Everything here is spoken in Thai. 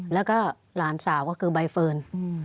แล้วก็หลานสาวก็คือใบเฟิร์น